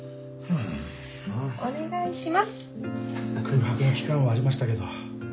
空白の期間はありましたけど。